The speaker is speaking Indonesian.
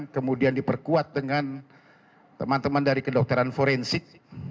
kemudian diperkuat dengan teman teman dari kedokteran forensik